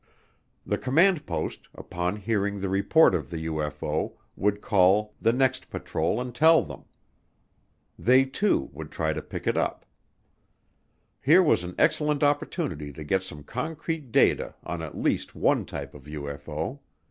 The command post, upon hearing the report of the UFO, would call the next patrol and tell them. They too would try to pick it up. Here was an excellent opportunity to get some concrete data on at least one type of UFO.